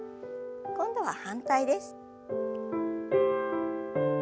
今度は反対です。